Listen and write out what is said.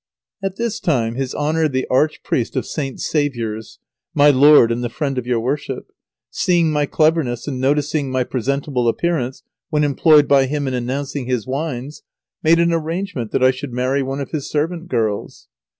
At this time his Honour the Archpriest of St. Saviour's, my lord and the friend of your worship, seeing my cleverness and noticing my presentable appearance when employed by him in announcing his wines, made an arrangement that I should marry one of his servant girls.